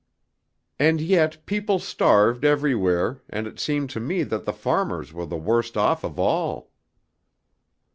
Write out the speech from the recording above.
"And yet people starved everywhere, and it seemed to me that the farmers were the worst off of all."